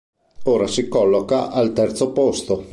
Ora si colloca al terzo posto.